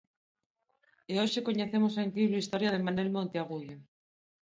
E hoxe coñecemos a incrible historia de Manel Monteagudo.